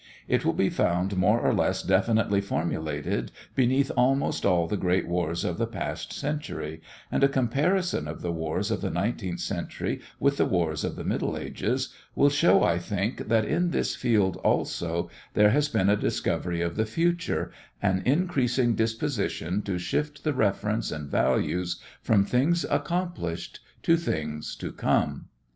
It will be found more or less definitely formulated beneath almost all the great wars of the past century, and a comparison of the wars of the nineteenth century with the wars of the middle ages will show, I think, that in this field also there has been a discovery of the future, an increasing disposition to shift the reference and values from things accomplished to things to come.